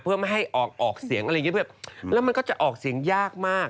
เพื่อไม่ให้ออกออกเสียงอะไรอย่างนี้แบบแล้วมันก็จะออกเสียงยากมาก